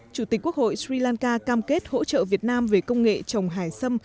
chủ tịch quốc hội sri lanka cam kết hỗ trợ việt nam về công nghệ trồng hải sâm